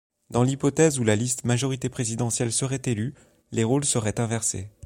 Dans l'hypothèse où la liste Majorité présidentielle serait élue, les rôles seraient inversés.